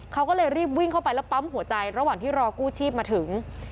เขาก็เลยรีบวิ่งเข้าไปแล้วปั๊มหัวใจระหว่างที่รอกู้ชีพมาถึง